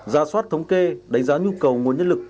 ra soát thống kê đánh giá nhu cầu nguồn nhân lực